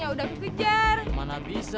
ya ke mana